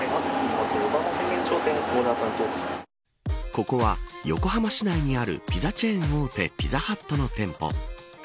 ここは横浜市内にあるピザチェーン大手ピザハットの店舗。